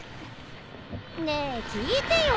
ねえ聞いてよ